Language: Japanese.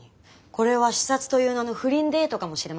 これは視察という名の不倫デートかもしれませんね。